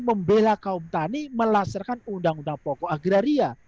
membela kaum tni melaksanakan undang undang pokok agraria